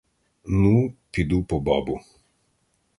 Ну, піду по бабу.